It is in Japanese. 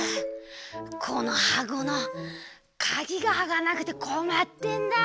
このはこのかぎがあかなくてこまってんだ。